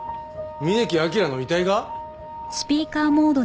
峯木明の遺体が！？あっ。